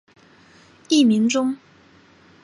艺名中。